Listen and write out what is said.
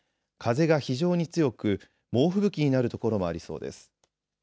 風が非常に強く猛吹雪になる所もありそうです。